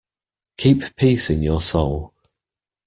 Keep peace in your soul.